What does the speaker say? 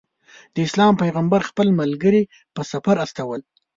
د اسلام پیغمبر خپل ملګري په سفر استول.